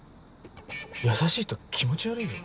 優しいと気持ち悪いよ。